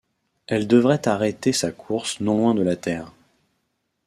Elle devrait arrêter sa course non loin de la Terre.